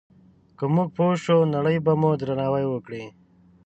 که موږ پوه شو، نړۍ به مو درناوی وکړي.